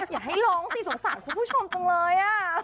อยากให้ร้องสิสงสารคุณผู้ชมจังเลย